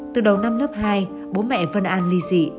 từ đầu năm lớp hai bố mẹ vân an ly dị